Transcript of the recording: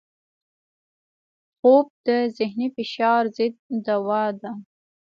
خوب د ذهني فشار ضد دوا ده